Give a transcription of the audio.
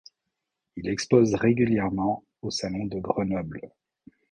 Il expose régulièrement au salon de Grenoble.